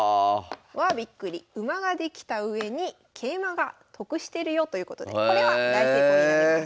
わあびっくり馬ができたうえに桂馬が得してるよということでこれは大成功になります。